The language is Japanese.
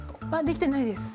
できてないです。